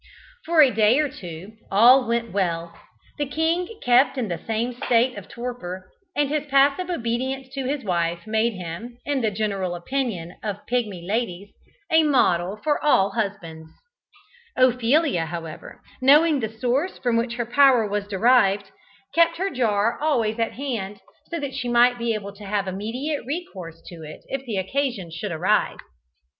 For a day or two all went well. The king kept in the same state of torpor, and his passive obedience to his wife made him, in the general opinion of Pigmy ladies, a model for all husbands. Ophelia, however, knowing the source from which her power was derived, kept her jar always at hand, so that she might be able to have immediate recourse to it if the occasion should arise.